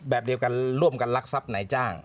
แบบเดียวกันร่วมกันลักษณะในจ้าง